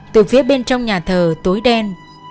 từ phía bên trong nhà thờ tối đen